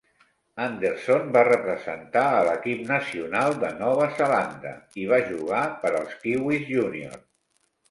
Anderson va representar a l'equip nacional de Nova Zelanda i va jugar per als Kiwis Júnior.